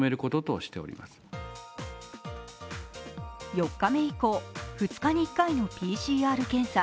４日目以降、２日に１回のＰＣＲ検査。